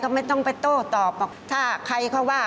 ความหลอกต้องมีไหมคะไม่หรอก็ได้ไหม